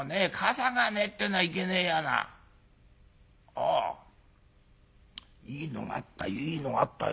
ああいいのがあったよいいのがあったよ。